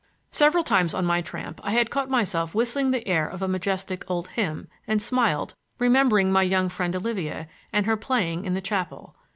Several times on my tramp I had caught myself whistling the air of a majestic old hymn, and smiled, remembering my young friend Olivia, and her playing in the chapel.